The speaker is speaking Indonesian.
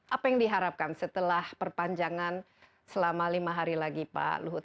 apa yang diharapkan setelah perpanjangan selama lima hari lagi pak luhut